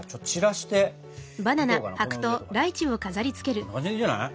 こんな感じでいいんじゃない？